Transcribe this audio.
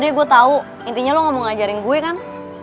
nih gue tau intinya lo gak mau ngajarin gue kan